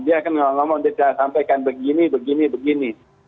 dia akan mengomong dia sampaikan begini begini begini